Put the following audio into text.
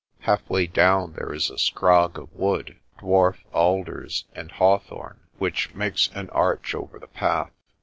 Half way down there is a scrog of wood, dwarf alders and hawthorn, which makes an arch over the path.